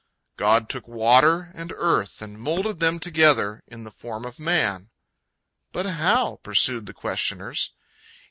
"—"God took water and earth, and moulded them together in the form of man."—"But how?" pursued the questioners.